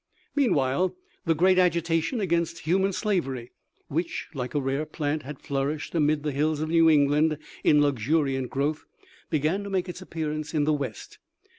Meanwhile the great agitation against human slavery, which like a rare plant had flourished amid the hills of New England in luxuriant growth, began to make its appearance in the West.